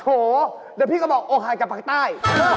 โฮแต่พี่ก็บอกโอเคันจะไปคันต้าย